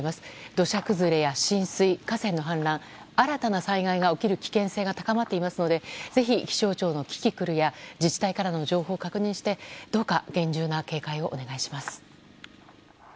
土砂崩れや浸水、河川の氾濫新たな災害が起こる危険性が高くなっていますのでぜひ気象庁のキキクルや自治体からの情報を確認してどうか厳重な警戒をお願いします。